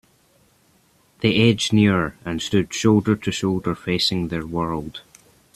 They edged nearer, and stood shoulder to shoulder facing their world.